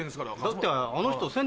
だってあの人。